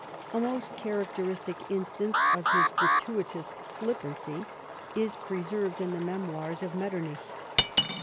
A most characteristic instance of his gratuitous flippancy is preserved in the memoirs of Mettemich.